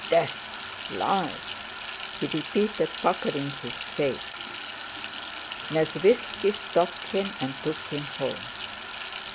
Death... lies..." he repeated, puckering his face. Nesvítski stopped him and took him home.